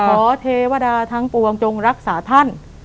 เทวดาทั้งปวงจงรักษาท่าน